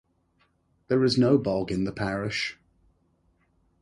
There is no bog in the parish.